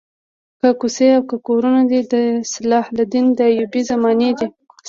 که کوڅې او که کورونه دي د صلاح الدین ایوبي زمانې دي.